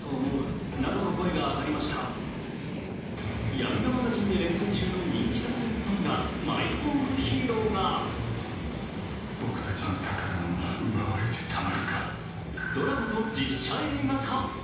「ヤングマガジン」で連載中の人気サスペンス漫画、「マイホームヒーロー」がドラマと実写映画化。